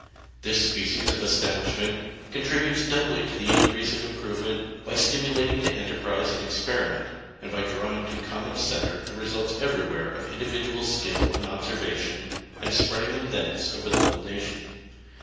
This species of establishment contributes doubly to the increase of improvement by stimulating to enterprise and experiment, and by drawing to a common center the results everywhere of individual skill and observation, and spreading them thence over the whole nation.